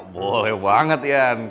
boleh banget yan